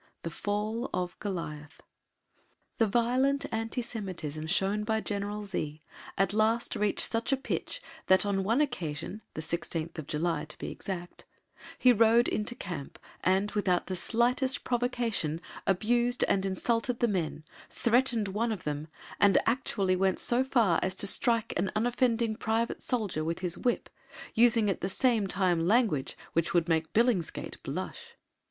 THE FALL OF GOLIATH. The violent anti Semitism shown by General Z at last reached such a pitch that on one occasion (the 16th July to be exact), he rode into camp and, without the slightest provocation, abused and insulted the men, threatened one of them, and actually went so far as to strike an unoffending private soldier with his whip, using at the same time language which would make Billingsgate blush.